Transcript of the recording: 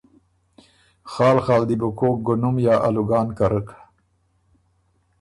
خال خال دی بو کوک ګُنُم یا آلوګان کرک۔